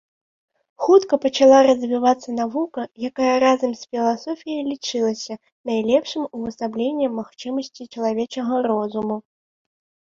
Хутка пачала развівацца навука, якая разам з філасофіяй лічылася найлепшым увасабленнем магчымасцей чалавечага розуму.